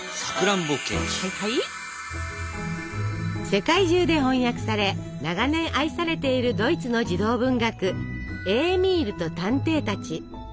世界中で翻訳され長年愛されているドイツの児童文学「エーミールと探偵たち」。